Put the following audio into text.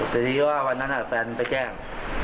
แต่ทีนี้ว่าวันนั้นแฟนไปแจ้ง